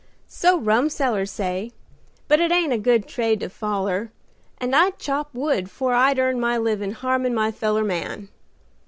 "So rumsellers say, but it ain't a good trade to foller, and I'd chop wood 'fore I'd earn my livin' harmin' my feller man.